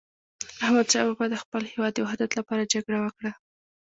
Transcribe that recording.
احمد شاه بابا د خپل هیواد د وحدت لپاره جګړه وکړه.